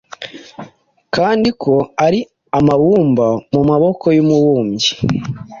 kandi ko ari amabumba mumaboko y’umubumbyi